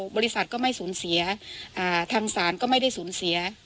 บริษัทก็ไม่สูญเสียทางศาลก็ไม่ได้สูญเสีย